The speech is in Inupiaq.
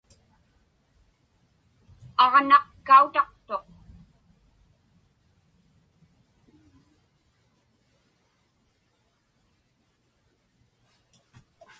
Aġnaq kautaqtuq.